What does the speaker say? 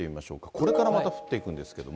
これからまた降っていくんですけれども。